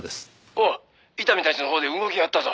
「おう伊丹たちのほうで動きがあったぞ」